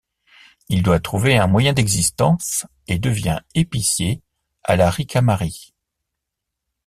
Il doit trouver un moyen d’existence et devient épicier à La Ricamarie.